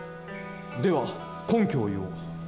では根拠を言おう。